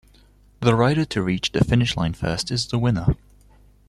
The rider to reach the finish line first is the winner.